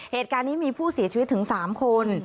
เหตุการณ์นี้มีผู้เสียชีวิตถึง๓คน